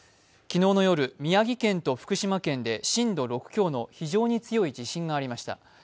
昨日の夜、宮城県と福島県で震度６強の非常に強い地震がありました。